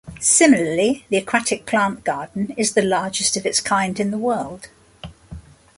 Similarly, the Aquatic Plant Garden is the largest of its kind in the world.